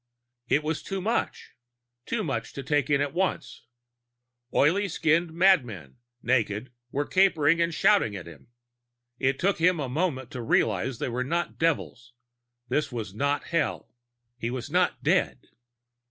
It was too much, too much to take in at once. Oily skinned madmen, naked, were capering and shouting at him. It took him a moment to realize that they were not devils; this was not Hell; he was not dead.